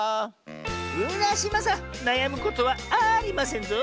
うらしまさんなやむことはありませんぞ。